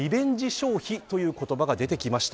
消費という言葉が出てきました。